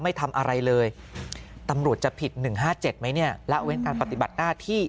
ไม่ทำอะไรเลยตำรวจจะผิด๑๕๗ไหมเนี่ยละเว้นการปฏิบัติหน้าที่